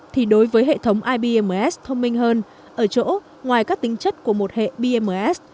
thì đối với hệ thống ibms thông minh hơn ở chỗ ngoài các tính chất của một hệ bms